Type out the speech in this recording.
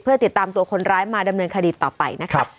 เพื่อติดตามตัวคนร้ายมาดำเนินคดีต่อไปนะคะ